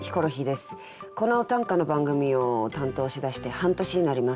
この短歌の番組を担当しだして半年になります。